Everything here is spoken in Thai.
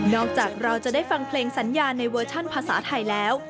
จากเราจะได้ฟังเพลงสัญญาในเวอร์ชั่นภาษาไทยแล้ว